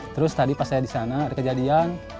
terus tadi pas saya di sana ada kejadian